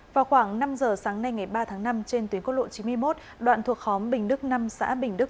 vào khoảng năm giờ sáng nay ngày ba tháng năm trên tuyến quốc lộ chín mươi một đoạn thuộc khóm bình đức năm xã bình đức